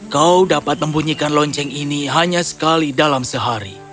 kau dapat membunyikan lonceng ini hanya sekali dalam sehari